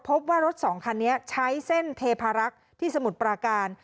พบว่ารถสองคันนี้ใช้เส้นเทพารักษ์ที่สมุทรปราการ